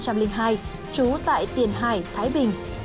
chú tại tiền hải thái bình